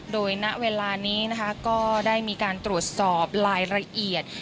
โดยณเวลานี้นะคะก็ได้มีการตรวจสอบรายละเอียด